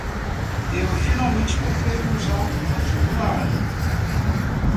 Eu finalmente comprei um jato particular.